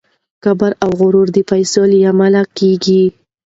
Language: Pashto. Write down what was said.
کبر او غرور د پیسو له امله کیږي.